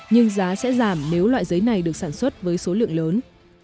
nhưng giá sẽ giảm nếu loại giấy này được sản xuất với số lượng lớn